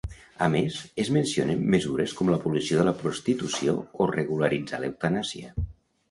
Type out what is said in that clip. A més, es mencionen mesures com l'abolició de la prostitució o regularitzar l'eutanàsia.